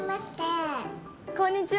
こんにちは。